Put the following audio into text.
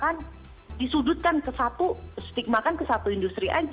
karena disudutkan ke satu stigmakan ke satu industri